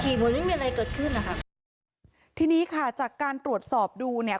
เหมือนไม่มีอะไรเกิดขึ้นนะคะทีนี้ค่ะจากการตรวจสอบดูเนี่ย